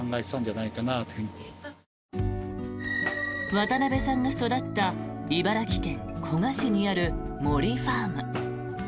渡辺さんが育った茨城県古河市にある森ファーム。